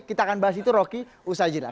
kita akan bahas itu roky usahajira